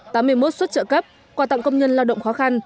tám mươi một xuất trợ cấp quà tặng công nhân lao động khó khăn